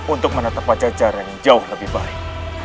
untuk menetapkan jajaran yang jauh lebih baik